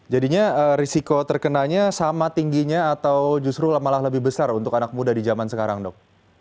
jadi risiko terkenanya sama tingginya atau justru malah lebih besar untuk anak muda di zaman sekarang dok